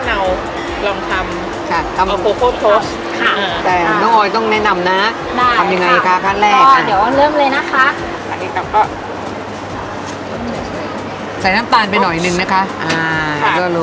ลูกค้าขอว่าอุ๊ยท่านแต่หวานขอเปรี้ยวบ้างก็เลยมีมะพร้าวน้ำหอมมะนาวอืม